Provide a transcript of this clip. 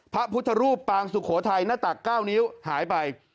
พระพุทธรูปปางสุโขทัยหน้าตัก๙นิ้วหายไป